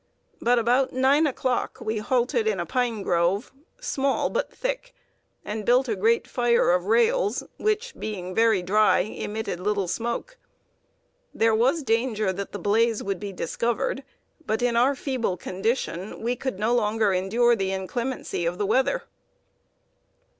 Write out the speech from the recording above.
But about nine o'clock we halted in a pine grove, small but thick, and built a great fire of rails, which, being very dry, emitted little smoke. There was danger that the blaze would be discovered; but in our feeble condition we could no longer endure the inclemency of the weather.